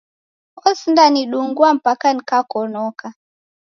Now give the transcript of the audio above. Osindanidungua mpaka nikakonoka.